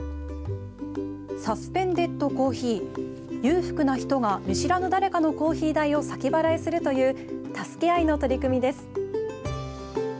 サスペンデッド・コーヒー裕福な人が見知らぬ誰かのコーヒー代を先払いするという助け合いの取り組みです。